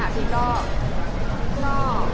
พี่ก็